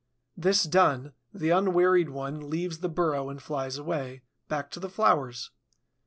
This done, the unwearied one leaves the burrow and flies away, back to the flowers.